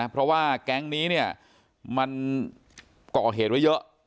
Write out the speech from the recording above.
เพราะว่าแก๊งนี้เนี่ยมันก่อเหตุไว้เยอะ